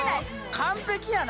完璧やな！